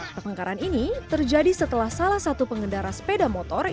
pertengkaran ini terjadi setelah salah satu pengendara sepeda motor